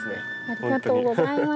ありがとうございます。